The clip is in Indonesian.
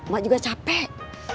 mak juga capek